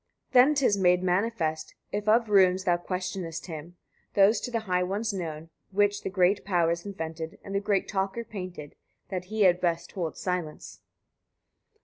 80. Then 'tis made manifest, if of runes thou questionest him, those to the high ones known, which the great powers invented, and the great talker painted, that he had best hold silence.